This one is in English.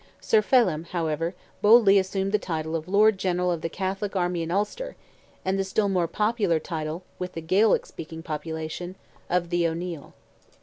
Sir Phelim, however, boldly assumed the title of "Lord General of the Catholic Army in Ulster," and the still more popular title with the Gaelic speaking population of "The O'Neil."